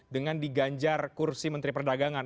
dengan diganjar kursi menteri perdagangan